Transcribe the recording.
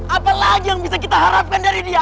apa lagi yang bisa kita harapkan dari dia